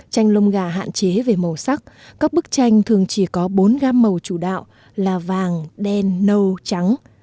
tranh lông gà hạn chế về màu sắc các bức tranh thường chỉ có bốn gam màu chủ đạo là vàng đen nâu trắng